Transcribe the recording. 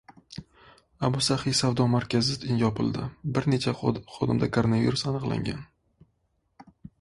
«Abu Saxiy» savdo markazi yopildi. Bir necha xodimda koronavirus aniqlangan